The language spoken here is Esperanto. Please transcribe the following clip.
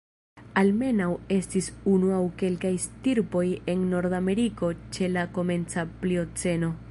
Almenaŭ estis unu aŭ kelkaj stirpoj en Nordameriko ĉe la komenca Plioceno.